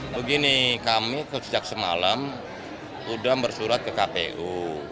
begini kami sejak semalam sudah bersurat ke kpu